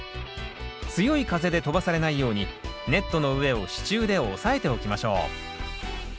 強い風で飛ばされないようにネットの上を支柱で押さえておきましょう。